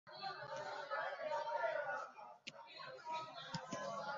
御土居之出入口在出云路桥之西侧。